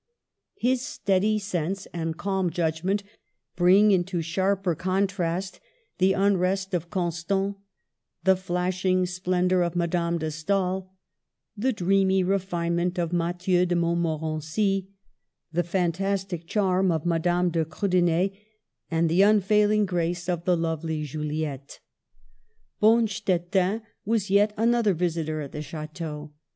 His steady sense and calm judgment bring out into sharper contrast the unrest of Con stant ; the flashing splendor of Madame de Stael ; the dreamy refinement of Mathieu de Montmo rency ' n the fantastic charm of Madame de Kriide ner, and the unfailing grace of the lovely "Juli ette." Bonstetten was yet another visitor at the chd ^teau.